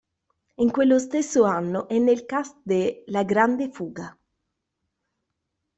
In quello stesso anno è nel cast de "La grande fuga".